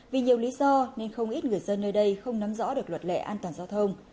vì nhiều lý do nên không ít người dân nơi đây không nắm rõ được luật lệ an toàn giao thông